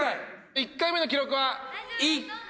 １回目の記録は１回！